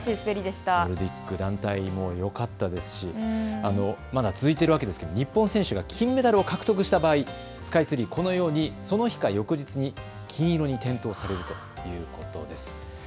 オリンピック団体もよかったですし、まだ続いているわけですけれど日本選手が金メダルを獲得した場合、スカイツリーこのようにその日か翌日に、金色に点灯するということです。